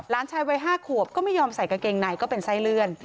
ชายวัย๕ขวบก็ไม่ยอมใส่กางเกงในก็เป็นไส้เลื่อน